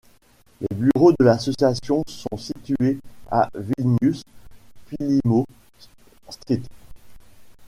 Les bureaux de l'association sont situés à Vilnius, Pylimo str.